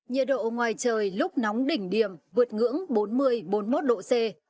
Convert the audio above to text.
nhiệt độ ngoài trời lúc nóng đỉnh điểm vượt ngưỡng bốn mươi bốn mươi một độ c